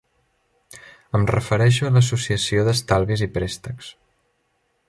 Em refereixo a l'associació d'estalvis i préstecs.